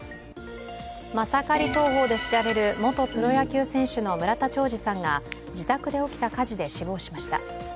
マサカリ投法で知られる元プロ野球選手の村田兆治さんが自宅で起きた火事で死亡しました。